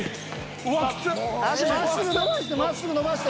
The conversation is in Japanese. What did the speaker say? うわきつっ！